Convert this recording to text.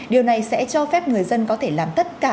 điều này sẽ cho phép người dân có thể làm tất cả